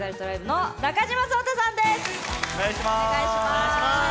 お願いします。